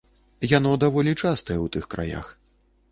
Яно даволі частае ў тых краях.